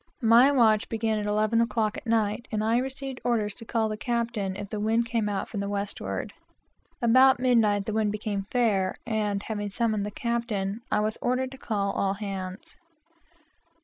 My watch began at eleven o'clock at night, and I received orders to call the captain if the wind came out from the westward. About midnight the wind became fair, and having called the captain, I was ordered to call all hands.